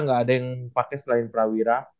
gak ada yang pake selain prawira